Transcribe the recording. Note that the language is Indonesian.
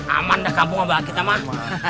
aman dah kampung abang kita mah